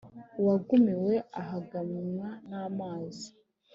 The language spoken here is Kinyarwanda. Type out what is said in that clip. Uwagumiwe ahagamwa n’amazi.